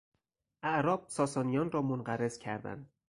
اعراب ساسانیان را منقرض کردند.